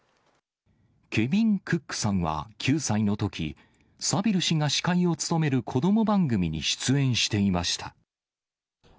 ケビン・クックさんは９歳のとき、サビル氏が司会を務める子ども番組に出演していました。